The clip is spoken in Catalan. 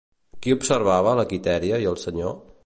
Qui observava la Quitèria i el senyor?